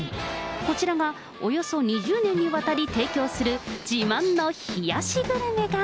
こちらがおよそ２０年にわたり提供する自慢の冷やしグルメが。